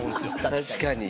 確かに。